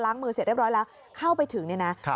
มือเสร็จเรียบร้อยแล้วเข้าไปถึงเนี่ยนะ